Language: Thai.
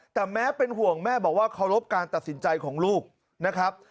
แต่แม้เป็นห่วงแม่บอกว่าเคารพการตัดสินใจของลูกนะครับ